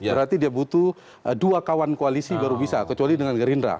berarti dia butuh dua kawan koalisi baru bisa kecuali dengan gerindra